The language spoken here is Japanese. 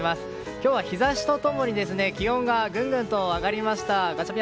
今日は日差しと共に気温がぐんぐんと上がりました。